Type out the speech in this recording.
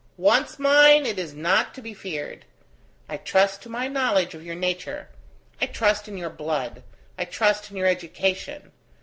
Once mine, it is not to be feared. I trust to my knowledge of your nature; I trust in your blood, I trust in your education.